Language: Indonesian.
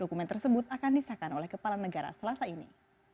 dokumen tersebut akan disahkan oleh kepala negara selasa ini